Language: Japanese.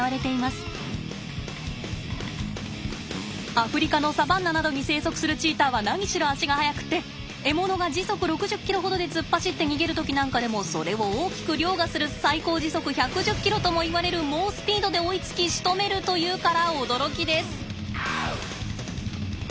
アフリカのサバンナなどに生息するチーターは何しろ足が速くって獲物が時速６０ｋｍほどで突っ走って逃げる時なんかでもそれを大きくりょうがする最高時速１１０ｋｍともいわれる猛スピードで追いつきしとめるというから驚きです。